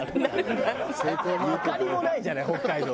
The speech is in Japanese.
ゆかりもないじゃない北海道。